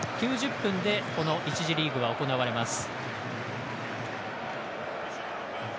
９０分で１次リーグは行われます。